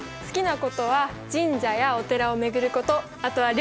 好きなことは神社やお寺を巡ること